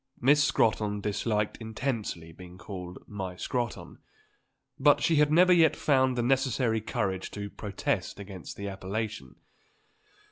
Miss Scrotton disliked intensely being called "my Scrotton;" but she had never yet found the necessary courage to protest against the appellation.